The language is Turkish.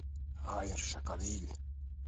Hayır, şaka değil.